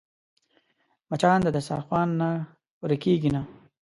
مچان د دسترخوان نه ورکېږي نه